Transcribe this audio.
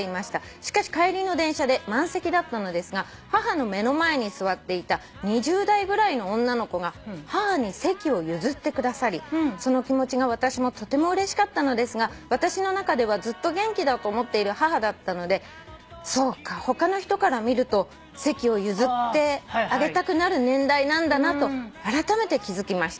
「しかし帰りの電車で満席だったのですが母の目の前に座っていた２０代ぐらいの女の子が母に席を譲ってくださりその気持ちが私もとてもうれしかったのですが私の中ではずっと元気だと思っている母だったのでそうか他の人から見ると席を譲ってあげたくなる年代なんだなとあらためて気付きました。